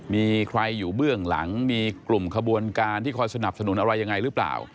มีใครอยู่เบื้องหลังมีกลุ่มขบวนการที่คอยสนับสนุนอะไรยังไงหรือเปล่า